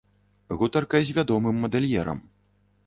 Гутарка з вядомым мадэльерам.